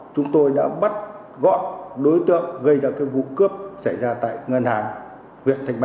chúng tôi đã bắt gọn đối tượng gây ra vụ cướp xảy ra tại ngân hàng huyện thanh ba